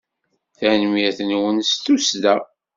Tanemmirt-nwen s tussda!